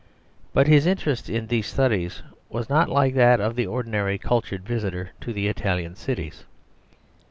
But his interest in these studies was not like that of the ordinary cultured visitor to the Italian cities.